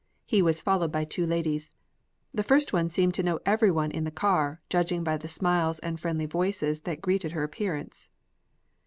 He was followed by two ladies. The first one seemed to know every one in the car, judging by the smiles and friendly voices that greeted her appearance.